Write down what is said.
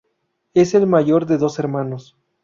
Es el mayor de dos hermanos.